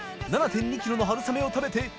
２ｋｇの春雨を食べて．